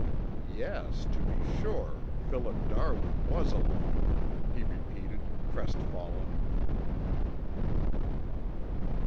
"Yes, to be sure, Philip Darwin was alone," he repeated, crestfallen.